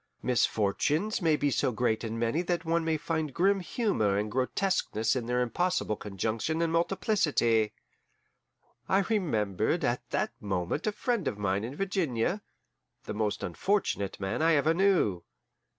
Misfortunes may be so great and many that one may find grim humour and grotesqueness in their impossible conjunction and multiplicity. I remembered at that moment a friend of mine in Virginia, the most unfortunate man I ever knew.